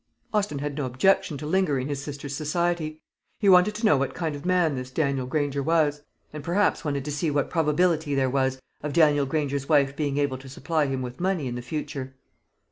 Austin had no objection to linger in his sister's society. He wanted to know what kind of man this Daniel Granger was; and perhaps wanted to see what probability there was of Daniel Granger's wife being able to supply him with money in the future.